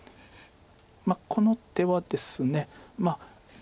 この手はですね